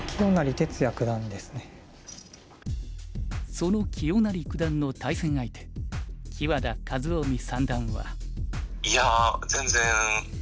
その清成九段の対戦相手木和田一臣三段は。